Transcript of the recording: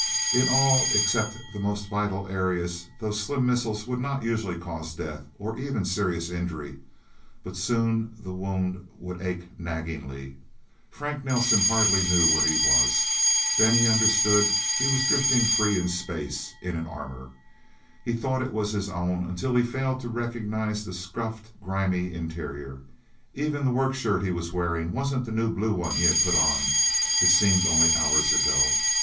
In all except the most vital areas, those slim missiles would not usually cause death, or even serious injury; but soon the wound would ache naggingly. First, Frank Nelsen hardly knew where he was. Then he understood that he was drifting free in space, in an armor. He thought it was his own until he failed to recognize the scuffed, grimy interior. Even the workshirt he was wearing wasn't the new blue one he had put on, it seemed only hours ago.